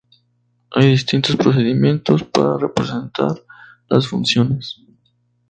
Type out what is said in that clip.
Hay distintos procedimientos para representar las funciones.